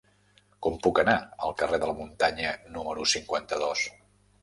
Com puc anar al carrer de la Muntanya número cinquanta-dos?